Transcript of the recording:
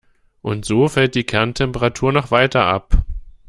Und so fällt die Kerntemperatur noch weiter ab.